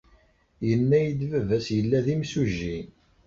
Yenna-iyi-d baba-s yella d imsujji.